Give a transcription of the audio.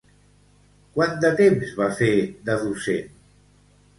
Quant de temps va fer de docent?